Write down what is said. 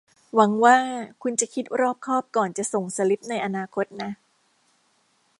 หวังว่าคุณจะคิดรอบคอบก่อนจะส่งสลิปในอนาคตนะ